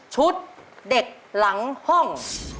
เด็กหลังห้อง